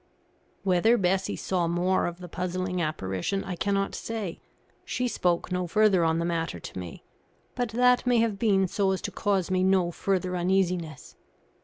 Whether Bessie saw more of the puzzling apparition, I cannot say. She spoke no further on the matter to me; but that may have been so as to cause me no further uneasiness.